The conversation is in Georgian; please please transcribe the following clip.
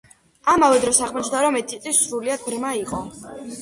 ამავე დროს აღმოჩნდა, რომ ედიტი სრულიად ბრმა იყო.